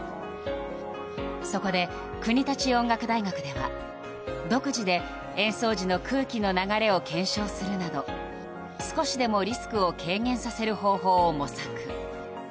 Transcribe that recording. そこで国立音楽大学では独自で、演奏時の空気の流れを検証するなど、少しでもリスクを軽減させる方法を模索。